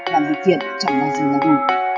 làm việc thiện chẳng bao giờ là đủ